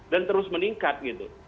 dan terus meningkat gitu